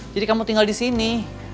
jadi kamu tinggal di sini